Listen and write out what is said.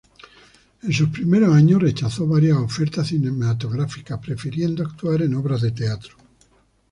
En sus primeros años, rechazó varias ofertas cinematográficas, prefiriendo actuar en obras de teatro.